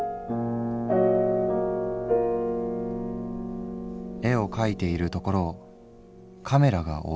「絵を描いているところをカメラが追う。